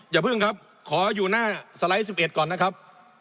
อย่าเพิ่งครับขออยู่หน้าสไลด์๑๑ก่อนนะครับ